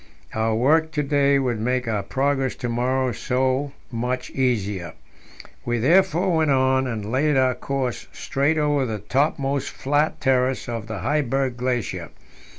Our work to day would make our progress to morrow so much the easier. We therefore went on, and laid our course straight over the topmost flat terrace of the Heiberg Glacier.